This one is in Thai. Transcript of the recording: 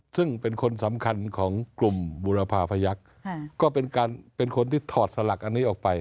ซึ่งเป็นคนสำคัญของกลุ่มบุรพาพยักษ์ก็เป็นการเป็นคนที่ถอดสลักอันนี้ออกไป